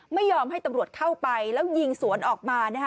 ไม่ยอมให้ตำรวจเข้าไปแล้วยิงสวนออกมานะฮะ